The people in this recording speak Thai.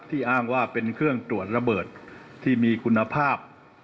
อ้างว่าเป็นเครื่องตรวจระเบิดที่มีคุณภาพ